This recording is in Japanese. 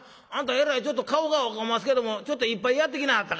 えらいちょっと顔が赤おますけどもちょっと一杯やってきなはったか」。